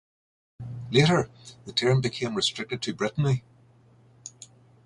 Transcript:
Later, the term became restricted to Brittany.